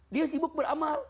dia sibuk beramal